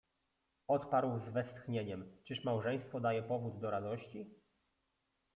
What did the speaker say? Odparł z westchnieniem: „Czyż małżeństwo daje powód do radości?”.